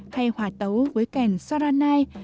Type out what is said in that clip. hay hòa tấu với kèn saranai